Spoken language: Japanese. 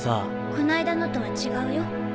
こないだのとは違うよ。